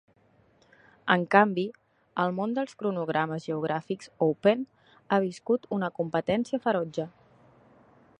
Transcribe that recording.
En canvi, el món dels cronogrames geogràfics "open" ha viscut una competència ferotge.